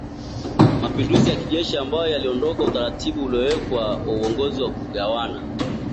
mapinduzi ya kijeshi ambayo yaliondoa utaratibu uliowekwa wa uongozi wa kugawana